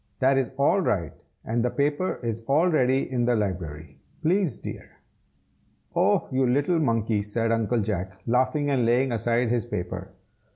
"That is all right, and the paper is all ready in the library, please, dear." "Oh! you little monkey!" said Uncle Jack, laughing and laying aside his paper.